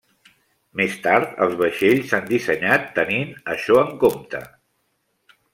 Més tard, els vaixells s'han dissenyat tenint això en compte.